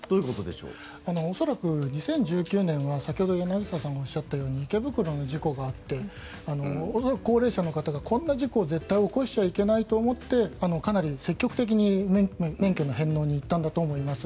恐らく２０１９年は先ほど柳澤さんがおっしゃったように池袋の事故があって恐らく高齢者の方がこんな事故を絶対起こしちゃいけないと思ってかなり積極的に免許の返納に行ったんだと思います。